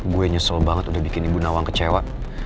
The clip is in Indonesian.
gue nyesel banget untuk bikin ibu nawang kecewa